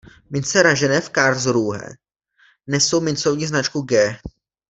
Mince ražené v Karlsruhe nesou mincovní značku „G“.